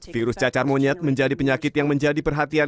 virus cacar monyet menjadi penyakit yang menjadi perhatian